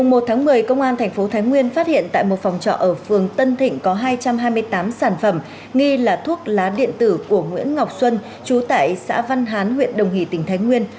ngày một một mươi công an thành phố thái nguyên phát hiện tại một phòng trọ ở phường tân thịnh có hai trăm hai mươi tám sản phẩm nghi là thuốc lá điện tử của nguyễn ngọc xuân trú tại xã văn hán huyện đồng hỷ tỉnh thái nguyên